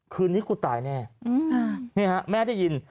คืนนี้กูตายแน่นี่ฮะแม่ได้ยิน